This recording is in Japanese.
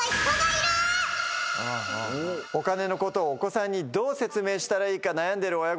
お金のことをお子さんにどう説明したらいいか悩んでる親御さん必見です。